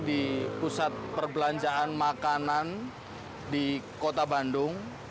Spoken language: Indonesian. di pusat perbelanjaan makanan di kota bandung